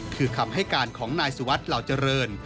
คือคำให้การของนายสุวัสดิ์เหล่าเจริญ